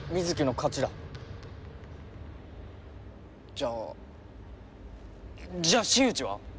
じゃあじゃあ新内は！？